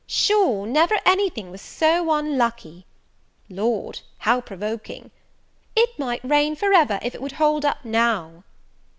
"Sure, never anything was so unlucky!" "Lord, how provoking!" "It might rain for ever, if it would hold up now."